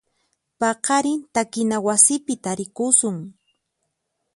Paqarin takina wasipi tarikusun.